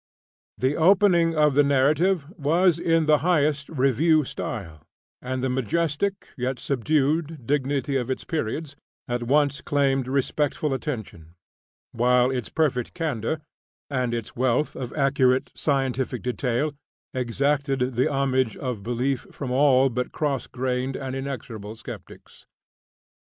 The opening of the narrative was in the highest Review style; and the majestic, yet subdued, dignity of its periods, at once claimed respectful attention; while its perfect candor, and its wealth of accurate scientific detail exacted the homage of belief from all but cross grained and inexorable skeptics.